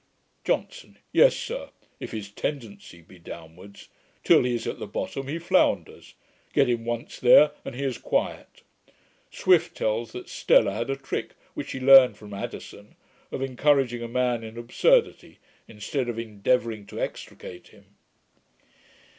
JOHNSON. 'Yes, sir, if his TENDENCY be downwards. Till he is at the bottom, he flounders; get him once there, and he is quiet. Swift tells, that Stella had a trick, which she learned from Addison, of encouraging a man in absurdity, instead of endeavouring to extricate him.'